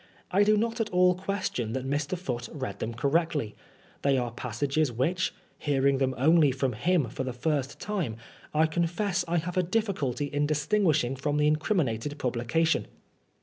I do not at all question that Mr. Foote read them correctly. They are passages which, hearing them only from him for tiie first time, X confess I have a difficulty in distinguishing from the incrimi nated publication.